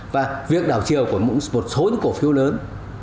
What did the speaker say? và việc đảo chiều của một số những cổ phiếu lớn